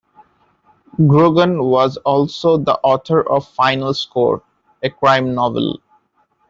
Grogan was also the author of "Final Score," a crime novel.